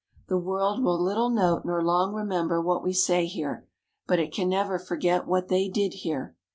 The World will little note nor long remember what we say here, but it can never forget what they did here.